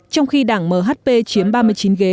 trong khi đảng mhp chiếm ba mươi chín ghế